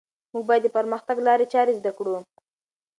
موږ باید د پرمختګ لارې چارې زده کړو.